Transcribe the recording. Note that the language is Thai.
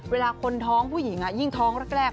เวลาคนท้องผู้หญิงยิ่งท้องแรก